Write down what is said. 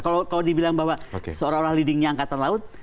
kalau dibilang bahwa seorang orang leadingnya angkatan laut